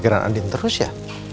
gue mau misalnya